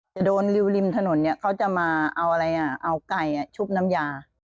จะโดนริวริมถนนเนี่ยเขาจะมาเอาอะไรอ่ะเอาไก่ชุบน้ำยา